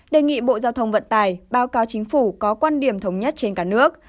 đề nghị bộ giao thông vận tải báo cáo chính phủ có quan điểm thống nhất trên cả nước